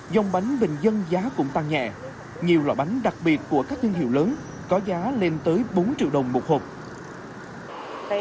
dòng bánh bình dân giá cũng tăng nhẹ nhiều loại bánh đặc biệt của các thương hiệu lớn có giá lên tới bốn triệu đồng một hộp